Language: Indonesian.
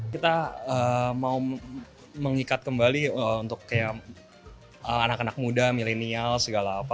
kita mau mengikat kembali untuk kayak anak anak muda milenial segala apa